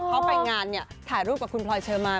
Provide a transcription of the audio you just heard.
เขาไปงานเนี่ยถ่ายรูปกับคุณพลอยเชอร์มาน